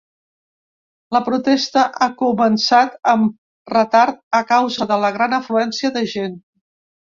La protesta ha començat amb retard a causa de la gran afluència de gent.